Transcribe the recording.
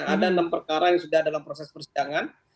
ada enam perkara yang sudah dalam proses persidangan